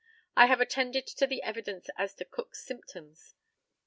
I have attended to the evidence as to Cook's symptoms.